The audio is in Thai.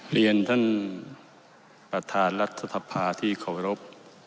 เรียนท่านประธานรัฐธรรพาที่ขอบรับ